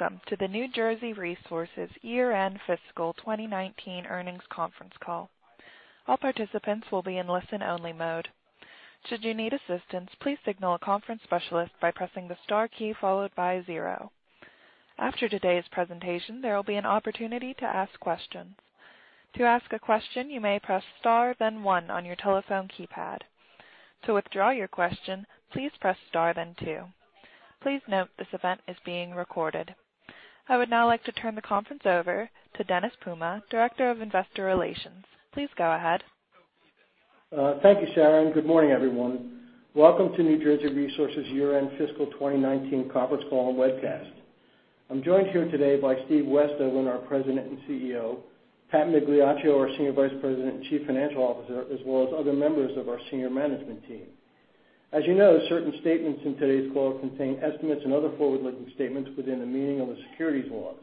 Welcome to the New Jersey Resources year-end fiscal 2019 earnings conference call. All participants will be in listen-only mode. Should you need assistance, please signal a conference specialist by pressing the star key followed by zero. After today's presentation, there will be an opportunity to ask questions. To ask a question, you may press star then one on your telephone keypad. To withdraw your question, please press star then two. Please note this event is being recorded. I would now like to turn the conference over to Dennis Puma, Director of Investor Relations. Please go ahead. Thank you, Sharon. Good morning, everyone. Welcome to New Jersey Resources' year-end fiscal 2019 conference call and webcast. I'm joined here today by Steve Westhoven, our President and CEO, Pat Migliaccio, our Senior Vice President and Chief Financial Officer, as well as other members of our senior management team. As you know, certain statements in today's call contain estimates and other forward-looking statements within the meaning of the securities laws.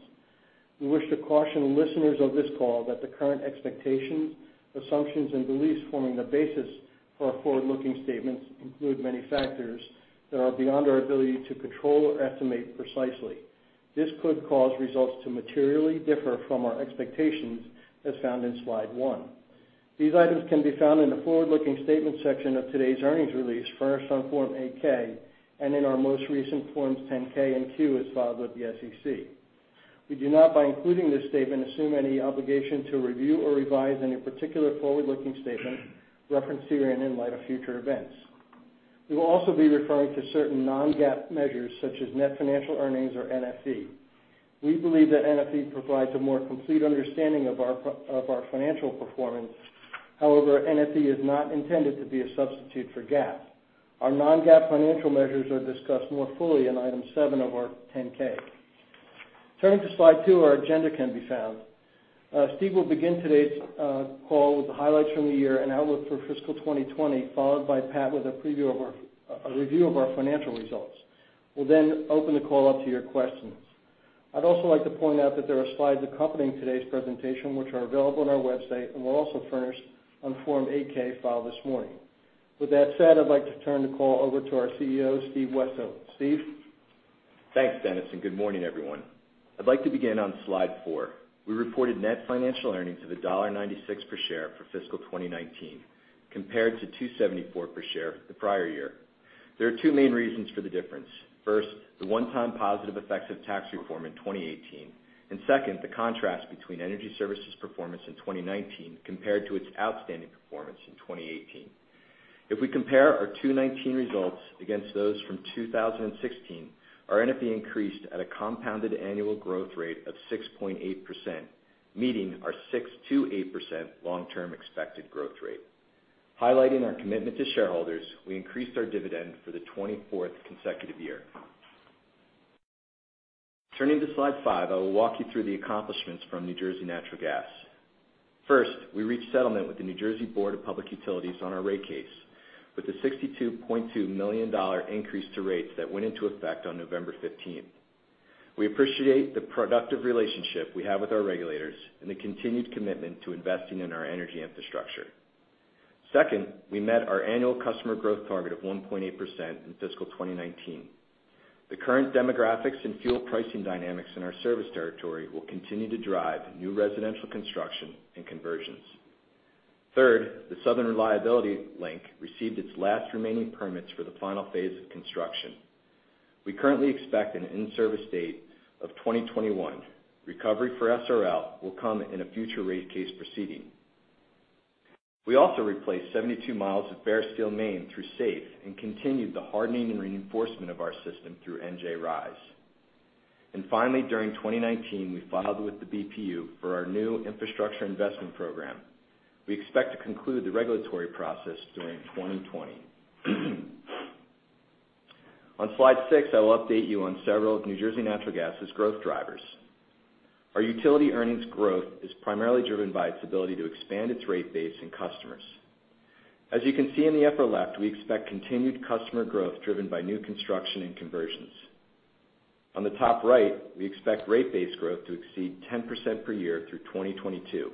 We wish to caution listeners of this call that the current expectations, assumptions, and beliefs forming the basis for our forward-looking statements include many factors that are beyond our ability to control or estimate precisely. This could cause results to materially differ from our expectations, as found in slide one. These items can be found in the forward-looking statements section of today's earnings release, furnished on Form 8-K, and in our most recent Forms 10-K and Q, as filed with the SEC. We do not, by including this statement, assume any obligation to review or revise any particular forward-looking statements referenced herein in light of future events. We will also be referring to certain Non-GAAP measures, such as net financial earnings, or NFE. We believe that NFE provides a more complete understanding of our financial performance. However, NFE is not intended to be a substitute for GAAP. Our Non-GAAP financial measures are discussed more fully in Item 7 of our 10-K. Turning to Slide two, our agenda can be found. Steve will begin today's call with the highlights from the year and outlook for fiscal 2020, followed by Pat with a review of our financial results. We'll open the call up to your questions. I'd also like to point out that there are slides accompanying today's presentation, which are available on our website and were also furnished on Form 8-K filed this morning. With that said, I'd like to turn the call over to our Chief Executive Officer, Steve Westhoven. Steve? Thanks, Dennis, and good morning, everyone. I'd like to begin on Slide four. We reported net financial earnings of $1.96 per share for fiscal 2019, compared to $2.74 per share the prior year. There are two main reasons for the difference. First, the one-time positive effects of tax reform in 2018, and second, the contrast between Energy Services performance in 2019 compared to its outstanding performance in 2018. If we compare our 2019 results against those from 2016, our NFE increased at a compounded annual growth rate of 6.8%, meeting our 6%-8% long-term expected growth rate. Highlighting our commitment to shareholders, we increased our dividend for the 24th consecutive year. Turning to Slide five, I will walk you through the accomplishments from New Jersey Natural Gas. First, we reached settlement with the New Jersey Board of Public Utilities on our rate case, with a $62.2 million increase to rates that went into effect on November 15th. We appreciate the productive relationship we have with our regulators and the continued commitment to investing in our energy infrastructure. Second, we met our annual customer growth target of 1.8% in fiscal 2019. The current demographics and fuel pricing dynamics in our service territory will continue to drive new residential construction and conversions. Third, the Southern Reliability Link received its last remaining permits for the final phase of construction. We currently expect an in-service date of 2021. Recovery for SRL will come in a future rate case proceeding. We also replaced 72 miles of bare steel main through SAFE and continued the hardening and reinforcement of our system through NJ RISE. Finally, during 2019, we filed with the BPU for our new infrastructure investment program. We expect to conclude the regulatory process during 2020. On slide six, I will update you on several of New Jersey Natural Gas's growth drivers. Our utility earnings growth is primarily driven by its ability to expand its rate base and customers. As you can see in the upper left, we expect continued customer growth driven by new construction and conversions. On the top right, we expect rate base growth to exceed 10% per year through 2022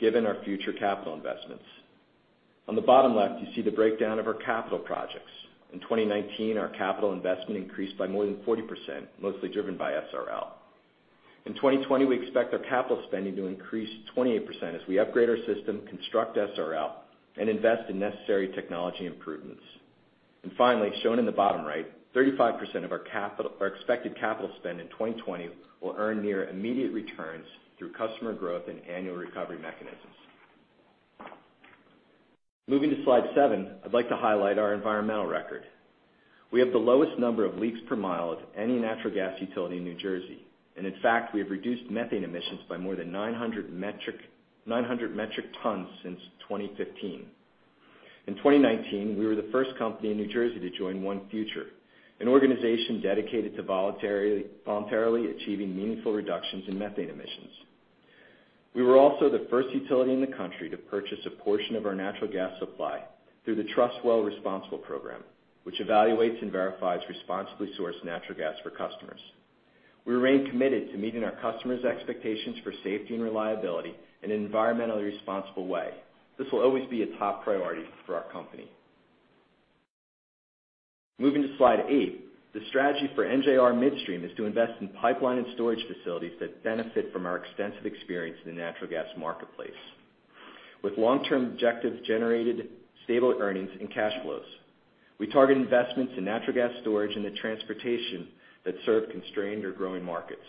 given our future capital investments. On the bottom left, you see the breakdown of our capital projects. In 2019, our capital investment increased by more than 40%, mostly driven by SRL. In 2020, we expect our capital spending to increase 28% as we upgrade our system, construct SRL, and invest in necessary technology improvements. Finally, shown in the bottom right, 35% of our expected capital spend in 2020 will earn near immediate returns through customer growth and annual recovery mechanisms. Moving to Slide seven, I'd like to highlight our environmental record. We have the lowest number of leaks per mile of any natural gas utility in New Jersey, and in fact, we have reduced methane emissions by more than 900 metric tons since 2015. In 2019, we were the first company in New Jersey to join ONE Future, an organization dedicated to voluntarily achieving meaningful reductions in methane emissions. We were also the first utility in the country to purchase a portion of our natural gas supply through the TrustWell Responsible program, which evaluates and verifies responsibly sourced natural gas for customers. We remain committed to meeting our customers' expectations for safety and reliability in an environmentally responsible way. This will always be a top priority for our company. Moving to slide eight. The strategy for NJR Midstream is to invest in pipeline and storage facilities that benefit from our extensive experience in the natural gas marketplace, with long-term objectives generating stable earnings and cash flows. We target investments in natural gas storage and the transportation that serve constrained or growing markets.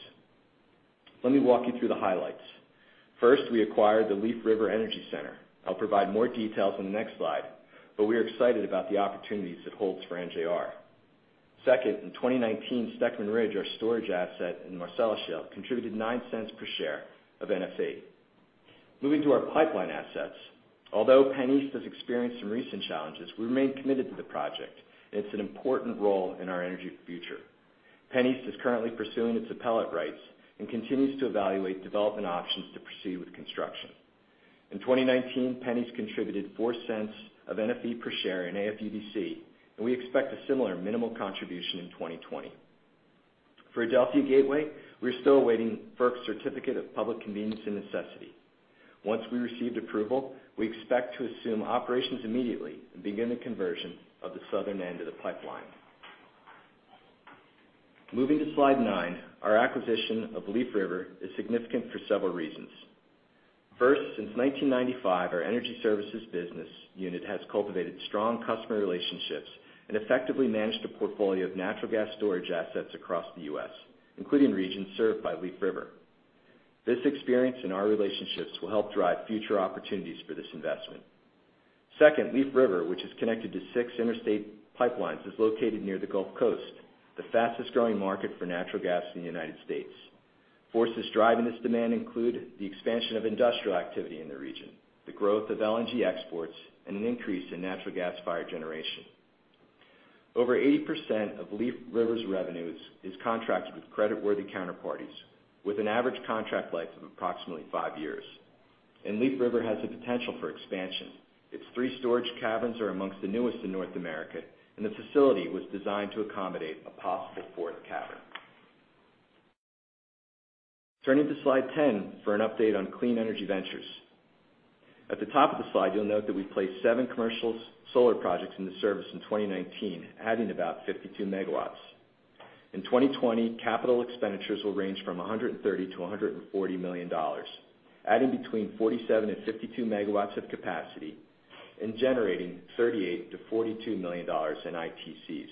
Let me walk you through the highlights. First, we acquired the Leaf River Energy Center. I'll provide more details on the next slide, but we are excited about the opportunities it holds for NJR. Second, in 2019, Steckman Ridge, our storage asset in the Marcellus Shale, contributed $0.09 per share of NFE. Moving to our pipeline assets. Although PennEast has experienced some recent challenges, we remain committed to the project. It's an important role in our energy future. PennEast is currently pursuing its appellate rights and continues to evaluate development options to proceed with construction. In 2019, PennEast contributed $0.04 of NFE per share in AFUDC. We expect a similar minimal contribution in 2020. For Adelphia Gateway, we're still awaiting FERC's certificate of public convenience and necessity. Once we receive the approval, we expect to assume operations immediately and begin the conversion of the southern end of the pipeline. Moving to slide nine. Our acquisition of Leaf River is significant for several reasons. First, since 1995, our Energy Services business unit has cultivated strong customer relationships and effectively managed a portfolio of natural gas storage assets across the U.S., including regions served by Leaf River. This experience and our relationships will help drive future opportunities for this investment. Second, Leaf River, which is connected to six interstate pipelines, is located near the Gulf Coast, the fastest-growing market for natural gas in the United States. Forces driving this demand include the expansion of industrial activity in the region, the growth of LNG exports, and an increase in natural gas-fired generation. Over 80% of Leaf River's revenues is contracted with creditworthy counterparties, with an average contract life of approximately five years. Leaf River has the potential for expansion. Its three storage caverns are amongst the newest in North America, and the facility was designed to accommodate a possible fourth cavern. Turning to slide 10 for an update on Clean Energy Ventures. At the top of the slide, you'll note that we placed seven commercial solar projects into service in 2019, adding about 52 MW. In 2020, capital expenditures will range from $130 million-$140 million, adding between 47 MW-52 MW of capacity and generating $38 million-$42 million in ITCs.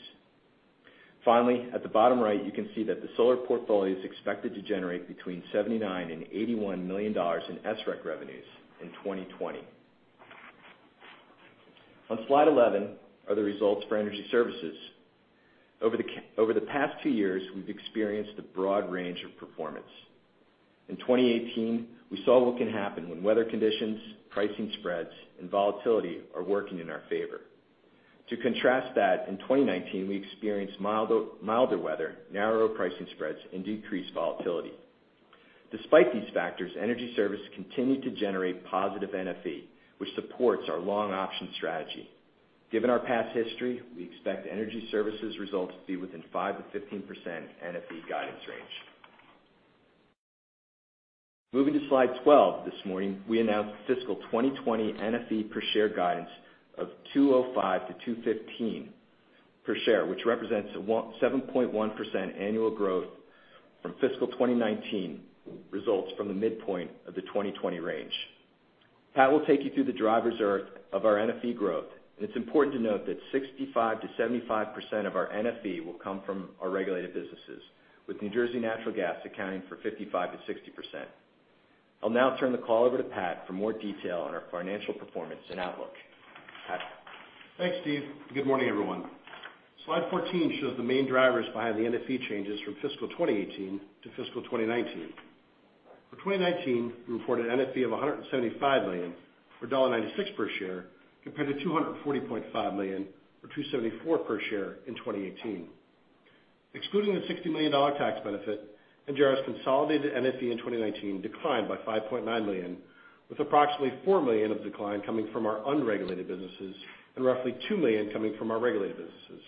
Finally, at the bottom right, you can see that the solar portfolio is expected to generate between $79 million-$81 million in SREC revenues in 2020. On slide 11 are the results for Energy Services. Over the past two years, we've experienced a broad range of performance. In 2018, we saw what can happen when weather conditions, pricing spreads, and volatility are working in our favor. To contrast that, in 2019, we experienced milder weather, narrower pricing spreads, and decreased volatility. Despite these factors, Energy Services continued to generate positive NFE, which supports our long-option strategy. Given our past history, we expect Energy Services results to be within 5%-15% NFE guidance range. Moving to slide 12. This morning, we announced fiscal 2020 NFE per share guidance of $2.05-$2.15 per share, which represents a 7.1% annual growth from fiscal 2019 results from the midpoint of the 2020 range. Pat will take you through the drivers of our NFE growth. It's important to note that 65%-75% of our NFE will come from our regulated businesses, with New Jersey Natural Gas accounting for 55%-60%. I'll now turn the call over to Pat for more detail on our financial performance and outlook. Pat? Thanks, Steve. Good morning, everyone. Slide 14 shows the main drivers behind the NFE changes from fiscal 2018 to fiscal 2019. For 2019, we reported an NFE of $175 million, or $1.96 per share, compared to $240.5 million or $2.74 per share in 2018. Excluding the $60 million tax benefit, NJR's consolidated NFE in 2019 declined by $5.9 million, with approximately $4 million of decline coming from our unregulated businesses and roughly $2 million coming from our regulated businesses.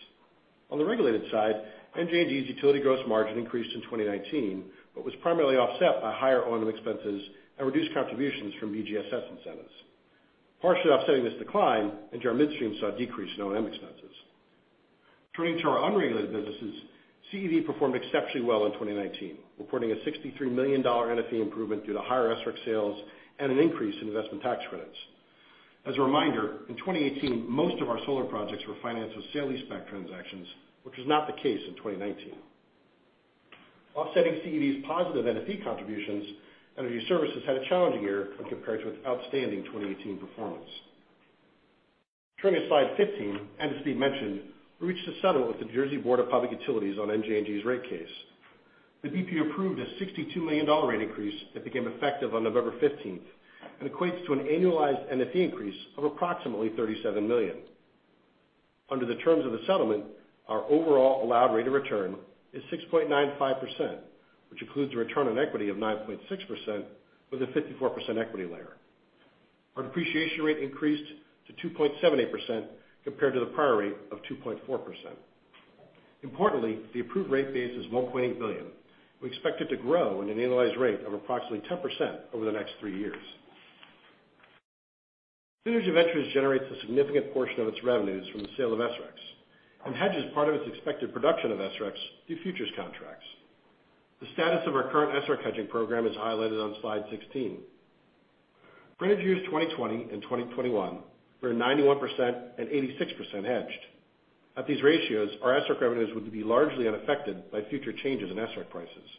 On the regulated side, NJNG's utility gross margin increased in 2019, but was primarily offset by higher O&M expenses and reduced contributions from BGSS incentives. Partially offsetting this decline, NJR Midstream saw a decrease in O&M expenses. Turning to our unregulated businesses, CEV performed exceptionally well in 2019, reporting a $63 million NFE improvement due to higher SREC sales and an increase in Investment Tax Credits. As a reminder, in 2018, most of our solar projects were financed with sale leaseback transactions, which was not the case in 2019. Offsetting CEV's positive NFE contributions, Energy Services had a challenging year when compared to its outstanding 2018 performance. Turning to slide 15, and as Steve mentioned, we reached a settlement with the New Jersey Board of Public Utilities on NJNG's rate case. The BPU approved a $62 million rate increase that became effective on November 15th and equates to an annualized NFE increase of approximately $37 million. Under the terms of the settlement, our overall allowed rate of return is 6.95%, which includes a return on equity of 9.6% with a 54% equity layer. Our depreciation rate increased to 2.78% compared to the prior rate of 2.4%. Importantly, the approved rate base is $1.8 billion. We expect it to grow at an annualized rate of approximately 10% over the next three years. Energy Ventures generates a significant portion of its revenues from the sale of SRECs and hedges part of its expected production of SRECs through futures contracts. The status of our current SREC hedging program is highlighted on slide 16. For energy years 2020 and 2021, we're 91% and 86% hedged. At these ratios, our SREC revenues would be largely unaffected by future changes in SREC prices.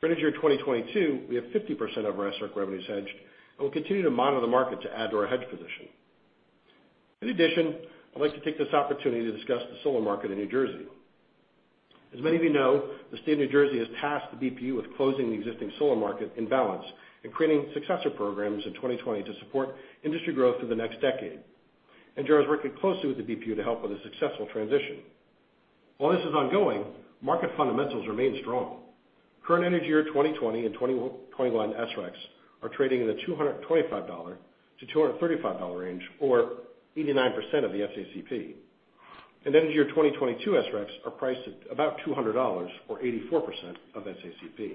For energy year 2022, we have 50% of our SREC revenues hedged, and we'll continue to monitor the market to add to our hedge position. In addition, I'd like to take this opportunity to discuss the solar market in New Jersey. As many of you know, the state of New Jersey has tasked the BPU with closing the existing solar market in balance and creating successor programs in 2020 to support industry growth through the next decade. NJR is working closely with the BPU to help with a successful transition. While this is ongoing, market fundamentals remain strong. Current energy year 2020 and 2021 SRECs are trading in the $225-$235 range, or 89% of the SACP. Energy year 2022 SRECs are priced at about $200, or 84% of SACP.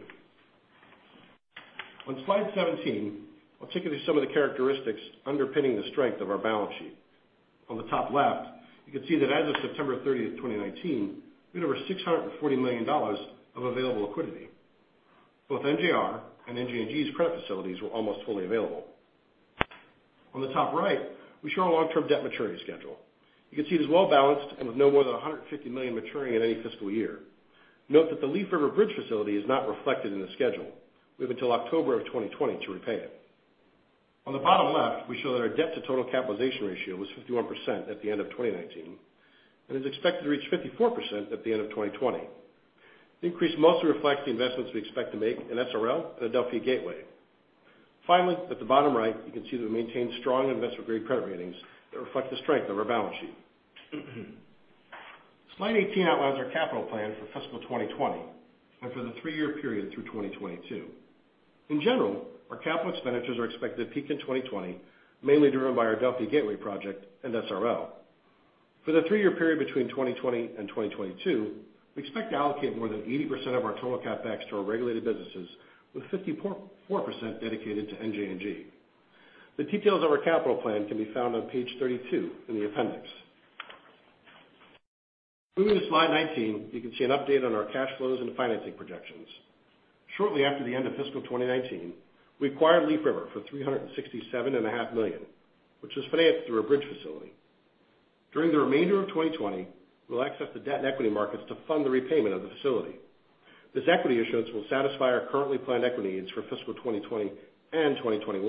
On slide 17, I'll take you through some of the characteristics underpinning the strength of our balance sheet. On the top left, you can see that as of September 30th, 2019, we had over $640 million of available liquidity. Both NJR and NJNG's credit facilities were almost fully available. On the top right, we show our long-term debt maturity schedule. You can see it is well-balanced and with no more than $150 million maturing in any fiscal year. Note that the Leaf River bridge facility is not reflected in the schedule. We have until October of 2020 to repay it. On the bottom left, we show that our debt-to-total capitalization ratio was 51% at the end of 2019 and is expected to reach 54% at the end of 2020. The increase mostly reflects the investments we expect to make in SRL and Adelphia Gateway. Finally, at the bottom right, you can see that we maintain strong investor-grade credit ratings that reflect the strength of our balance sheet. Slide 18 outlines our capital plan for fiscal 2020 and for the three-year period through 2022. In general, our capital expenditures are expected to peak in 2020, mainly driven by our Adelphia Gateway project and SRL. For the three-year period between 2020 and 2022, we expect to allocate more than 80% of our total CapEx to our regulated businesses, with 54% dedicated to NJNG. The details of our capital plan can be found on page 32 in the appendix. Moving to slide 19, you can see an update on our cash flows and financing projections. Shortly after the end of fiscal 2019, we acquired Leaf River for $367.5 million, which was financed through a bridge facility. During the remainder of 2020, we'll access the debt and equity markets to fund the repayment of the facility. This equity issuance will satisfy our currently planned equity needs for fiscal 2020 and 2021.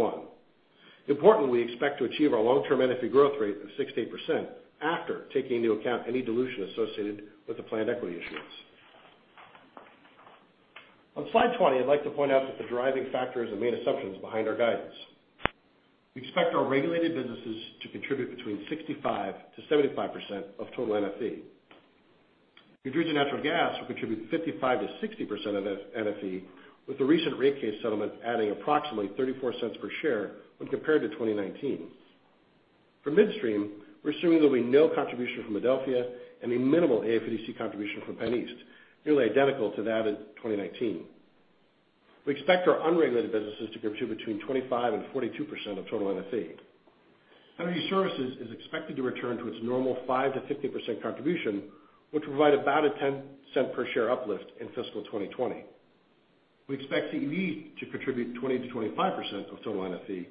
Importantly, we expect to achieve our long-term NFE growth rate of 6%-8% after taking into account any dilution associated with the planned equity issuance. On slide 20, I'd like to point out that the driving factors and main assumptions behind our guidance. We expect our regulated businesses to contribute between 65%-75% of total NFE. New Jersey Natural Gas will contribute 55%-60% of NFE, with the recent rate case settlement adding approximately $0.34 per share when compared to 2019. For midstream, we're assuming there'll be no contribution from Adelphia and a minimal AFUDC contribution from PennEast, nearly identical to that of 2019. We expect our unregulated businesses to contribute between 25%-42% of total NFE. Energy Services is expected to return to its normal 5%-15% contribution, which will provide about a $0.10 per share uplift in fiscal 2020. We expect CEV to contribute 20%-25% of total NFE.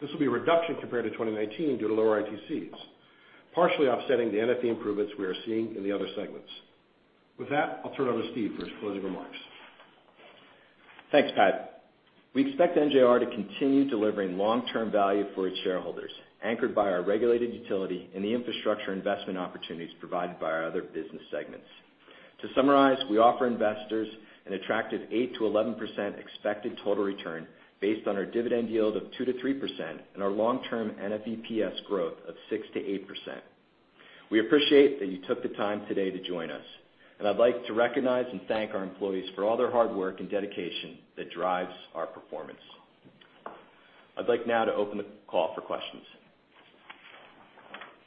This will be a reduction compared to 2019 due to lower ITCs, partially offsetting the NFE improvements we are seeing in the other segments. With that, I'll turn it over to Steve for his closing remarks. Thanks, Pat. We expect NJR to continue delivering long-term value for its shareholders, anchored by our regulated utility and the infrastructure investment opportunities provided by our other business segments. To summarize, we offer investors an attractive 8%-11% expected total return based on our dividend yield of 2%-3% and our long-term NFEPS growth of 6%-8%. We appreciate that you took the time today to join us, and I'd like to recognize and thank our employees for all their hard work and dedication that drives our performance. I'd like now to open the call for questions.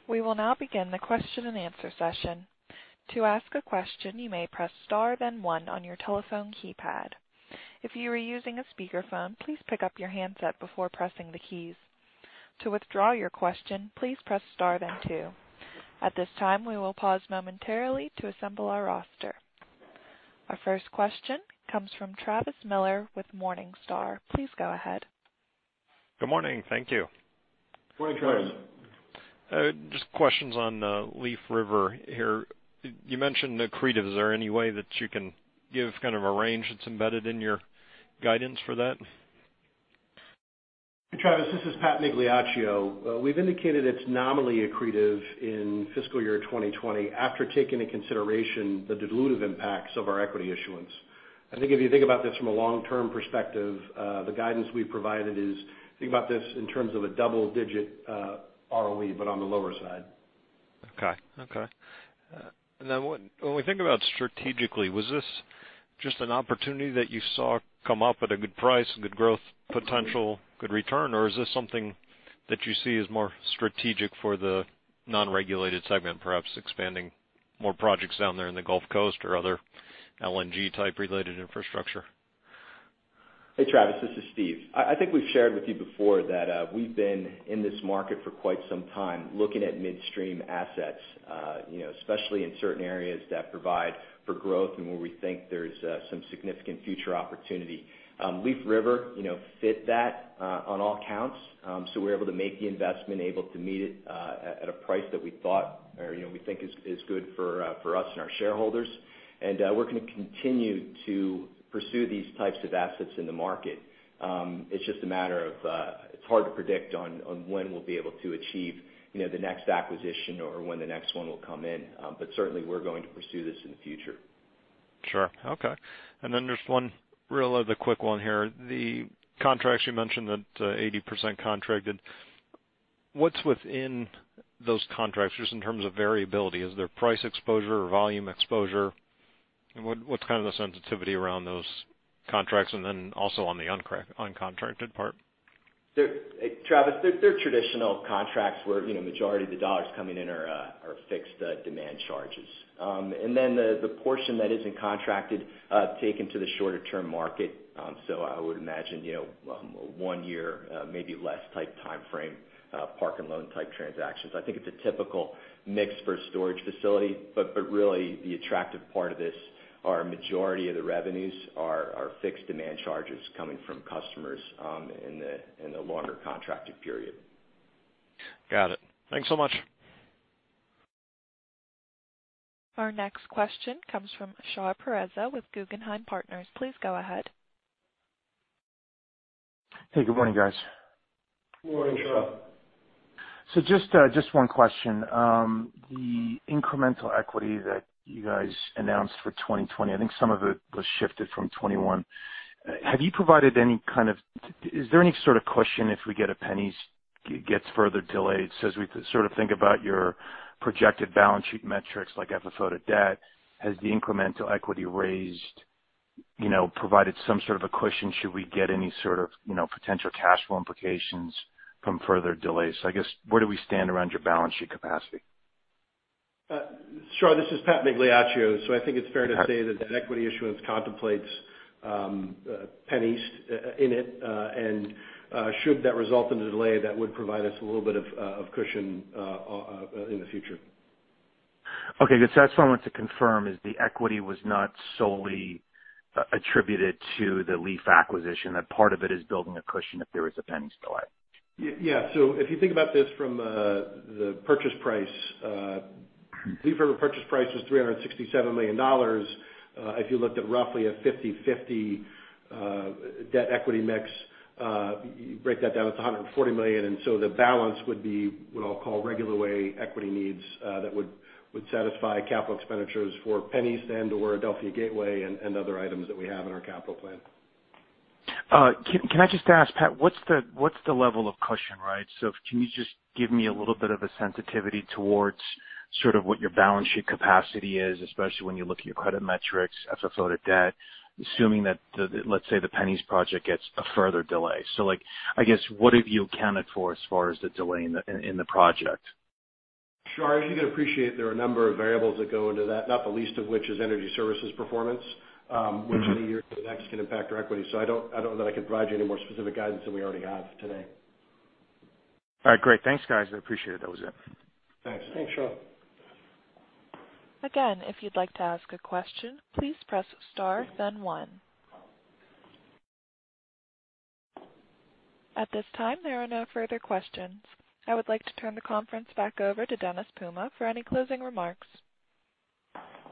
We will now begin the question-and-answer session. To ask a question, you may press star then one on your telephone keypad. If you are using a speakerphone, please pick up your handset before pressing the keys. To withdraw your question, please press star then two. At this time, we will pause momentarily to assemble our roster. Our first question comes from Travis Miller with Morningstar. Please go ahead. Good morning. Thank you. Good morning, Travis. Just questions on Leaf River here. You mentioned accretive. Is there any way that you can give kind of a range that's embedded in your guidance for that? Travis, this is Pat Migliaccio. We've indicated it's nominally accretive in fiscal year 2020 after taking into consideration the dilutive impacts of our equity issuance. I think if you think about this from a long-term perspective, the guidance we've provided is, think about this in terms of a double-digit return on equity, but on the lower side. Okay. When we think about strategically, was this just an opportunity that you saw come up at a good price, good growth potential, good return, or is this something that you see as more strategic for the non-regulated segment, perhaps expanding more projects down there in the Gulf Coast or other LNG type related infrastructure? Hey, Travis, this is Steve. I think we've shared with you before that we've been in this market for quite some time, looking at midstream assets, especially in certain areas that provide for growth and where we think there's some significant future opportunity. Leaf River fit that on all counts. We're able to make the investment, able to meet it at a price that we think is good for us and our shareholders. We're going to continue to pursue these types of assets in the market. It's just a matter of it's hard to predict on when we'll be able to achieve the next acquisition or when the next one will come in. Certainly, we're going to pursue this in the future. Sure. Okay. There's one other quick one here. The contracts, you mentioned that 80% contracted. What's within those contracts, just in terms of variability? Is there price exposure or volume exposure? What's kind of the sensitivity around those contracts, and then also on the uncontracted part? Travis, they're traditional contracts where majority of the dollars coming in are fixed demand charges. The portion that isn't contracted, taken to the shorter-term market. I would imagine one year, maybe less type timeframe, park and loan type transactions. I think it's a typical mix for a storage facility, really the attractive part of this are majority of the revenues are fixed demand charges coming from customers in the longer contracted period. Got it. Thanks so much. Our next question comes from Shar Pourreza with Guggenheim Partners. Please go ahead. Hey, good morning, guys. Good morning, Shar. Just one question. The incremental equity that you guys announced for 2020, I think some of it was shifted from 2021. Is there any sort of cushion if we get a PennEast gets further delayed? As we sort of think about your projected balance sheet metrics like FFO to debt, has the incremental equity raised provided some sort of a cushion? Should we get any sort of potential cash flow implications from further delays? I guess, where do we stand around your balance sheet capacity? Shar, this is Pat Migliaccio. I think it's fair to say that equity issuance contemplates PennEast in it. Should that result in a delay, that would provide us a little bit of cushion in the future. Okay, good. I just want to confirm, is the equity was not solely attributed to the Leaf acquisition? That part of it is building a cushion if there is a PennEast delay. Yeah. If you think about this from the purchase price, Leaf River purchase price was $367 million. If you looked at roughly a 50/50 debt equity mix you break that down, it's $140 million. The balance would be what I'll call regular way equity needs that would satisfy capital expenditures for PennEast and/or Adelphia Gateway and other items that we have in our capital plan. Can I just ask, Pat, what's the level of cushion, right? Can you just give me a little bit of a sensitivity towards sort of what your balance sheet capacity is, especially when you look at your credit metrics, FFO to debt, assuming that, let's say, the PennEast project gets a further delay. I guess what have you accounted for as far as the delay in the project? Shar, as you can appreciate, there are a number of variables that go into that, not the least of which is Energy Services performance, which in a year to the next can impact our equity. I don't know that I can provide you any more specific guidance than we already have today. All right. Great. Thanks, guys. I appreciate it. That was it. Thanks. Thanks, Shar. Again, if you'd like to ask a question, please press star then one. At this time, there are no further questions. I would like to turn the conference back over to Dennis Puma for any closing remarks.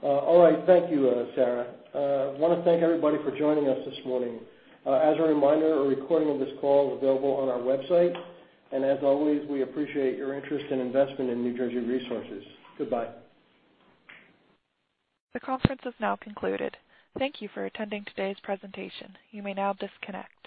All right. Thank you, Sharon. I want to thank everybody for joining us this morning. As a reminder, a recording of this call is available on our website. As always, we appreciate your interest and investment in New Jersey Resources. Goodbye. The conference has now concluded. Thank you for attending today's presentation. You may now disconnect.